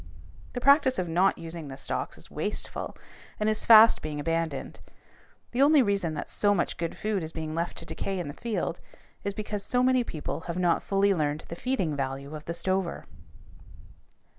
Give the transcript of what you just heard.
The practice of not using the stalks is wasteful and is fast being abandoned. The only reason that so much good food is being left to decay in the field is because so many people have not fully learned the feeding value of the stover.